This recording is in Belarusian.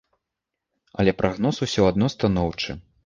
Але прагноз усё адно станоўчы.